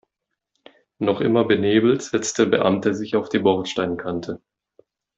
Noch immer benebelt setzt der Beamte sich auf die Bordsteinkante.